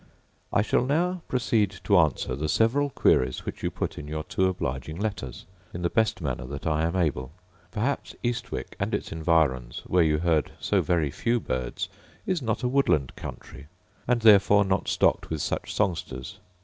I shall now proceed to answer the several queries which you put in your two obliging letters, in the best manner that I am able. Perhaps Eastwick, and its environs, where you heard so very few birds, is not a woodland country, and therefore not stocked with such songsters.